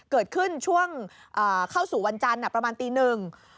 เกิดขึ้นช่วงเข้าสู่วันจันทร์ประมาณตีหนึ่ง